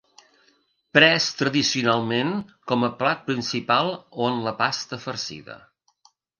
Pres tradicionalment com a plat principal o en la pasta farcida.